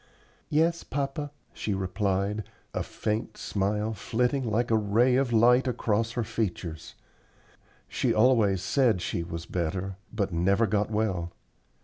"Yes, papa," she replied, a faint smile flitting like a ray of light across her features. She always said she was better, but never got well.